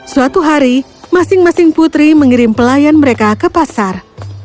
suatu hari masing masing putri mengirim pelayan mereka ke pasar